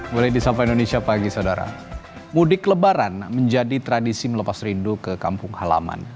bagaimana mudik lebaran menjadi tradisi melepas rindu ke kampung halaman